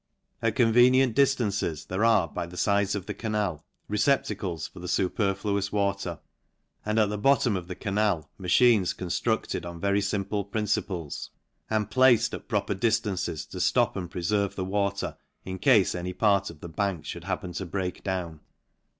At convenient diftances there are, by the fides of the canal, receptacles for the fuperfluous water; and at the bottom of the canal machines conitrucled on very fimple princi ples, and placed at proper diftances, to flop and preferve the water in cafe any part of the bank fhould happen to break down.